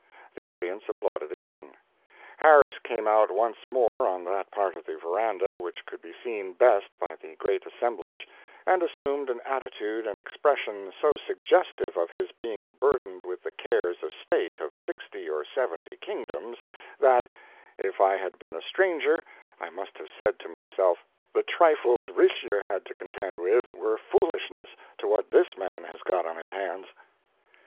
The audience applauded again. (Harris came out once more on that part of the verandah which could be seen best by the great assemblage, and assumed an attitude and expression so suggestive of his being burdened with the cares of state of sixty or seventy kingdoms, that, if I had been a stranger, I must have said to myself: "The trifles Richelieu had to contend with were foolishness to what this man has got on his hands.")